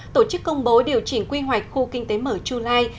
tổ chức công bố điều chỉnh quy hoạch khu kinh tế mở chu lai